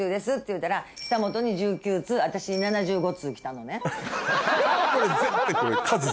言うたら久本に１９通私に７５通来たのね。